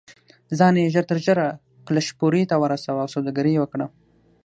ځان یې ژر تر ژره کلشپورې ته ورساوه او سوداګري یې وکړه.